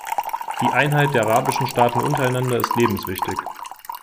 Die Einheit der arabischen Staaten untereinander ist lebenswichtig.